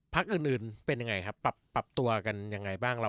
อื่นเป็นยังไงครับปรับตัวกันยังไงบ้าง